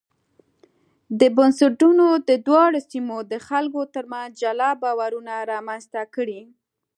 دې بنسټونو د دواړو سیمو د خلکو ترمنځ جلا باورونه رامنځته کړي.